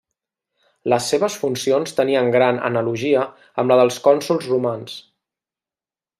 Les seves funcions tenien gran analogia amb la dels cònsols romans.